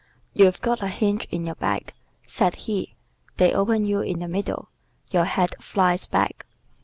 "You've got a hinge in your back," said he, "they open you in the middle; your head flies back.